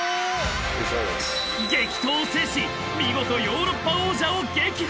［激闘を制し見事ヨーロッパ王者を撃破］